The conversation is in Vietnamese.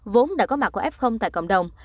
vốn đã có mặt của f tại cộng đồng